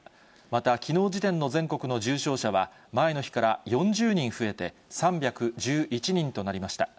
またきのう時点の全国の重症者は、前の日から４０人増えて３１１人となりました。